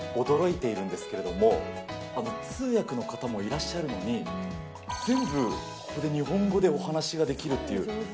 驚いているんですけれども、通訳の方もいらっしゃるのに、全部日本語でお話ができるっていう。